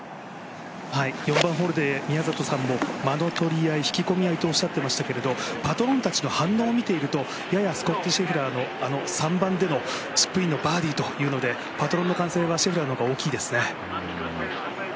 ４番ホールで、間の取り合い、引き込み合いとおっしゃっていましたが、パトロンたちの反応を見ているとややスコッティ・シェフラーのあの３番でのチップインバーディーというのでパトロンの歓声はシェフラーの方が大きいですね。